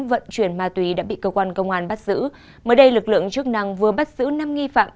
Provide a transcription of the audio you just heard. vận chuyển ma túy đã bị cơ quan công an bắt giữ mới đây lực lượng chức năng vừa bắt giữ năm nghi phạm